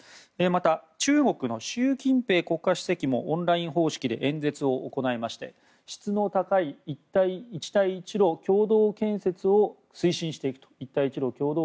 また中国の習近平国家主席もオンライン方式で演説を行い質の高い一帯一路共同建設を推進していくと。